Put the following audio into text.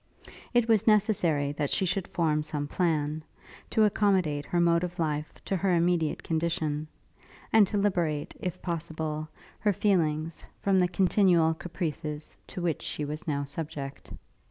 It was necessary that she should form some plan, to accommodate her mode of life to her immediate condition; and to liberate, if possible, her feelings, from the continual caprices to which she was now subject.